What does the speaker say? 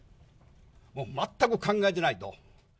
もう全く考えてないと。